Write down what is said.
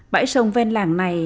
bãi sông ven làng này